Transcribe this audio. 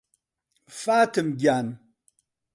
فاتم گیان